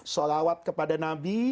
sholawat kepada nabi